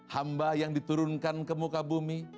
hamba yang diturunkan ke muka bumi